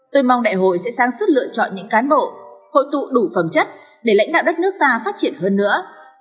tôi mong đại hội sẽ sáng suốt lựa chọn những cán bộ hội tụ đủ phẩm chất để lãnh đạo đất nước ta phát triển hơn nữa